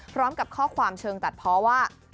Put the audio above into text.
พร้อมกับข้อความเชิงตัดเพราะว่า